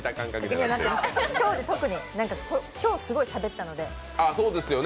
今日で特に、今日すごいしゃべったので。